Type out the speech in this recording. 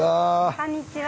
こんにちは。